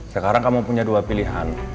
sekarang kamu punya dua pilihan